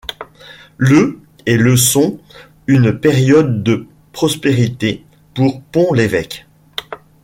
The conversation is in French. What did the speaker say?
Le et le sont une période de prospérité pour Pont-l'Évêque.